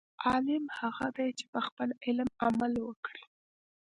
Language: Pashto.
عالم هغه دی، چې په خپل علم عمل وکړي.